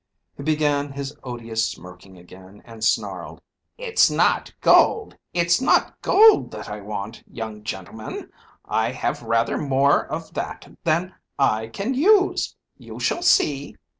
"He began his odious smirking again, and snarled, 'It's not gold, it's not gold that I want, young gentleman; I have rather more of that than I can use: you shall see.'